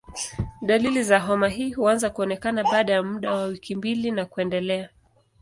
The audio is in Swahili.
Dalili za homa hii huanza kuonekana baada ya muda wa wiki mbili na kuendelea.